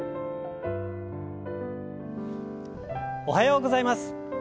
おはようございます。